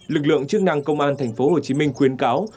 lực lượng chức năng công an thành phố hồ chí minh khuyến cáo